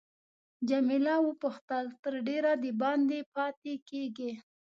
جميله وپوښتل تر ډېره دباندې پاتې کیږې.